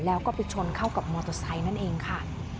แล้วก็ไปชนเข้ากับมอเตอร์ไซค์นั่นเองค่ะ